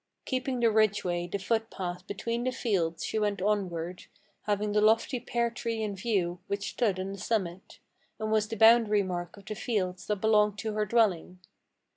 Keeping the ridgeway, the footpath, between the fields she went onward, Having the lofty pear tree in view, which stood on the summit, And was the boundary mark of the fields that belonged to her dwelling.